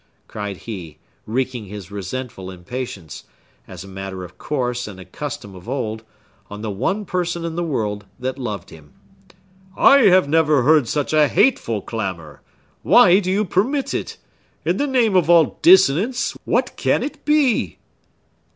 cried he, wreaking his resentful impatience—as a matter of course, and a custom of old—on the one person in the world that loved him. "I have never heard such a hateful clamor! Why do you permit it? In the name of all dissonance, what can it be?"